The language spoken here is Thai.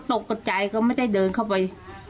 ตกใจก็ไม่ได้เดินเข้าไป